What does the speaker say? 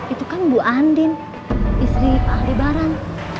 itu kan bu andin istri pak arie baran